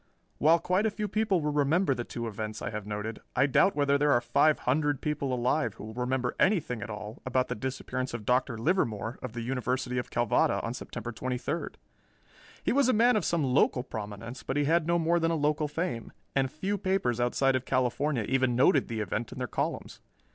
While quite a few people will remember the two events I have noted, I doubt whether there are five hundred people alive who will remember anything at all about the disappearance of Dr. Livermore of the University of Calvada on September twenty third. He was a man of some local prominence, but he had no more than a local fame, and few papers outside of California even noted the event in their columns.